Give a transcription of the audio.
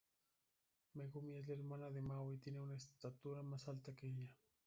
Megumi es la hermana de Mao y tiene una estatura más alta que ella.